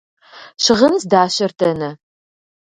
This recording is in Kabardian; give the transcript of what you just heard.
Щыгъын здащэр дэнэ?